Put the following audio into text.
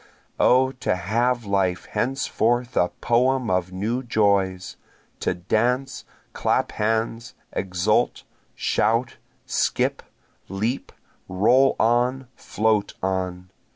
O to have life henceforth a poem of new joys! To dance, clap hands, exult, shout, skip, leap, roll on, float on!